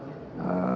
untuk membuat berkaya